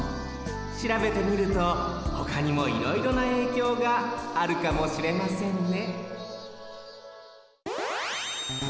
しらべてみるとほかにもいろいろなえいきょうがあるかもしれませんね